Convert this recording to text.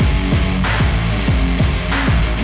หนักไฟ